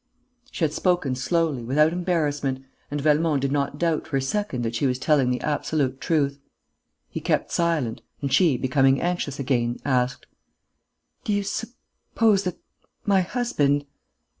She had spoken slowly, without embarrassment, and Velmont did not doubt for a second that she was telling the absolute truth. He kept silent; and she, becoming anxious again, asked: "Do you suppose ... that my husband